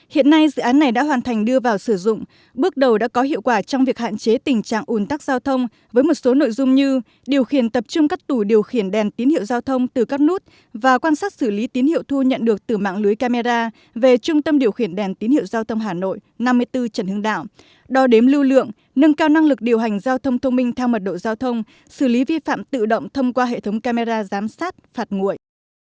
hiện nay dự án này đã hoàn thành đưa vào sử dụng bước đầu đã có hiệu quả trong việc hạn chế tình trạng ủn tắc giao thông với một số nội dung như điều khiển tập trung các tủ điều khiển đèn tín hiệu giao thông từ các nút và quan sát xử lý tín hiệu thu nhận được từ mạng lưới camera về trung tâm điều khiển đèn tín hiệu giao thông hà nội năm mươi bốn trần hưng đạo đo đếm lưu lượng nâng cao năng lực điều hành giao thông thông minh theo mật độ giao thông xử lý vi phạm tự động thông qua hệ thống camera giám sát phạt nguội